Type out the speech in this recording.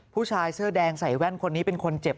ผู้ชายเสื้อแดงใส่แว่นคนนี้เป็นคนเจ็บ